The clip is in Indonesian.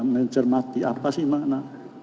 mencermati apa sih makna